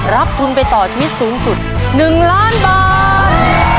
รับทุนไปต่อชีวิตสูงสุด๑ล้านบาท